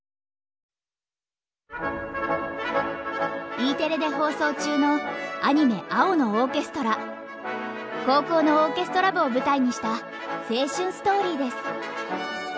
Ｅテレで放送中のアニメ高校のオーケストラ部を舞台にした青春ストーリーです。